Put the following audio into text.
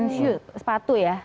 and shoes sepatu ya